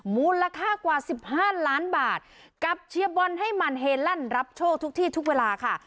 มูลค่ากว่า๑๕ล้านบาทกับเชียร์บอลให้มันเฮลั่นรับโชคทุกที่ทุกเวลาค่ะ